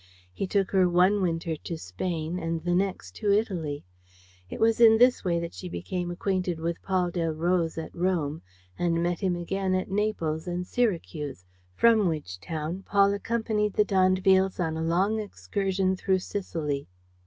He took her one winter to Spain and the next to Italy. It was in this way that she became acquainted with Paul Delroze at Rome and met him again at Naples and Syracuse, from which town Paul accompanied the d'Andevilles on a long excursion through Sicily.